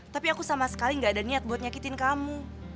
tapi aku sama sekali gak ada niat buat nyakitin kamu